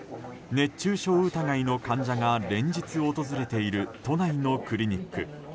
熱中症疑いの患者が連日訪れている都内のクリニック。